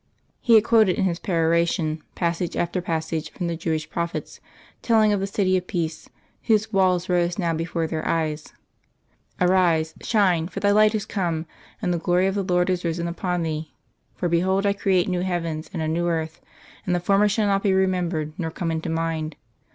He had quoted in his peroration passage after passage from the Jewish prophets, telling of the City of Peace whose walls rose now before their eyes. "_Arise, shine, for thy light is come, and the glory of the Lord is risen upon thee.... For behold I create new heavens and a new earth; and the former shall not be remembered nor come into mind....